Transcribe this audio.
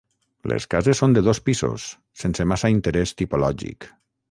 Les cases són de dos pisos, sense massa interès tipològic.